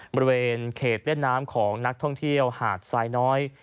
บริเวณเขตเล่นน้ำของนักท่องเที่ยวหาดทรายน้อย